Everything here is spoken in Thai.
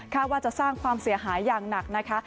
ว่าจะสร้างความเสียหายอย่างหนักนะคะ